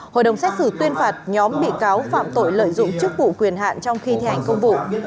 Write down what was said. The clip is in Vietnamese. hội đồng xét xử tuyên phạt nhóm bị cáo phạm tội lợi dụng chức vụ quyền hạn trong khi thi hành công vụ